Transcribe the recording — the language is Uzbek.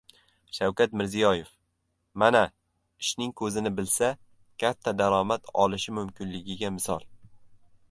Shavkat Mirziyoyev: «Mana, ishning ko‘zini bilsa, katta daromad olish mumkinligiga misol»